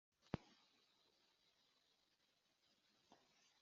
Ni na ko icyaha cya bene Yakobo kizahanagurwa,